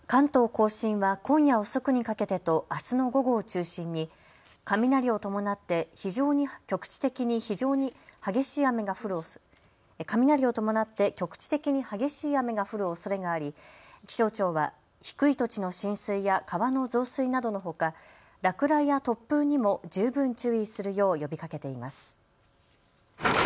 甲信は今夜遅くにかけてとあすの午後を中心に雷を伴って局地的に非常に激しい雨が降るおそれがあり雷を伴って局地的に激しい雨が降るおそれがあり気象庁は低い土地の浸水や川の増水などのほか落雷や突風にも十分注意するよう呼びかけています。